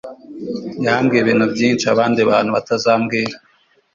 yambwiye ibintu byinshi abandi bantu batazambwira.